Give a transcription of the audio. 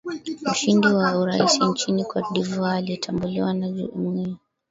mshindi wa urais nchini cote de voire anayetambuliwa na jumuia